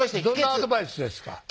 どんなアドバイスですか？